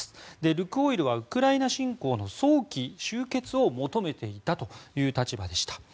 ルクオイルはウクライナ侵攻の早期終結を求めていたという立場でした。